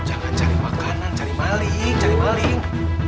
jangan cari makanan cari malik cari maling